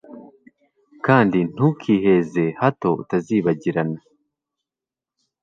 kandi ntukiheze, hato utazibagirana